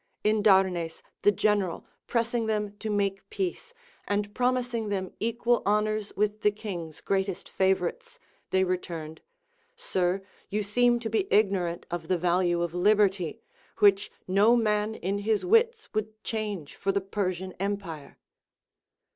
Indarnes the general pressing them to make peace, and promising them equal honors with the King's greatest favorites, they returned. Sir, you seem to be ignorant of the value of liberty, which no man in his wits would change for the Persian empire.